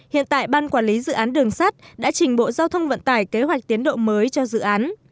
hiện tại ban quản lý dự án đường sắt đã trình bộ giao thông vận tải kế hoạch tiến độ mới cho dự án